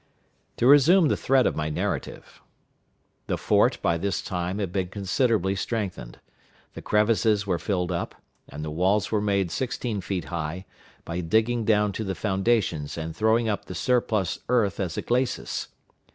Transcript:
To resume the thread of my narrative. The fort by this time had been considerably strengthened. The crevices were filled up, and the walls were made sixteen feet high, by digging down to the foundations and throwing up the surplus earth as a glacis.